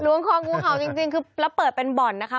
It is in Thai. คองูเห่าจริงคือแล้วเปิดเป็นบ่อนนะคะ